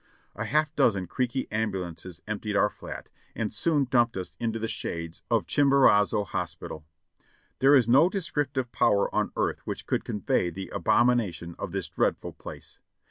A half dozen creaky ambulances emptied our flat, and soon dumped us into the shades of Chimborazo Hospital. There is no descriptive power on earth which could convey the abomination of this dreadful place.